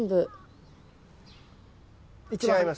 違います。